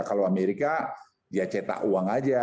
kalau amerika dia cetak uang aja